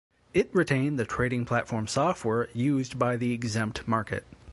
It retained the trading platform software used by the exempt market.